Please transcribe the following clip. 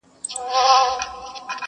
له کاڼه څخه لار ورکه له شنوا څخه لار ورکه،